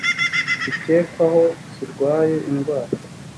zikekwako zirwaye indwara